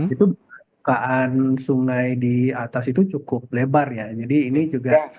itu kaan sungai di atas itu cukup lebar ya jadi ini juga